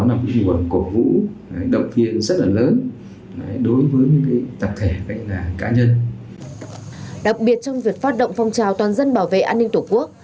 đặc biệt trong việc phát động phong trào toàn dân bảo vệ an ninh tổ quốc